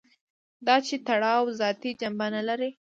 دا چې تړاو ذاتي جنبه نه لري.